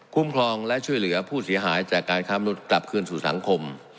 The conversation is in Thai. ครองและช่วยเหลือผู้เสียหายจากการค้ามนุษย์กลับคืนสู่สังคม